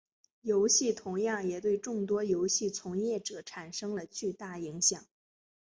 游戏同样也对众多游戏从业者产生了巨大影响。